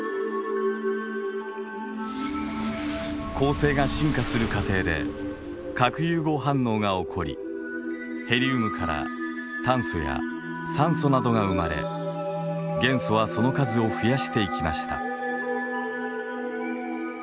恒星が進化する過程で核融合反応が起こりヘリウムから炭素や酸素などが生まれ元素はその数を増やしていきました。